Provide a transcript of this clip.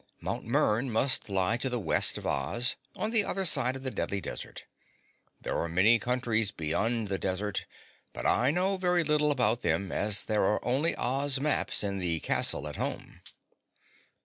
"Mt. Mern must lie to the west of Oz, on the other side of the deadly desert. There are many countries beyond the desert, but I know very little about them as there are only Oz maps in the castle at home."